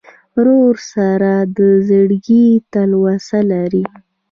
ورور سره د زړګي تلوسه لرې.